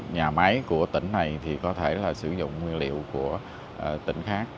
nhà máy của tỉnh này có thể sử dụng nguyên liệu của tỉnh khác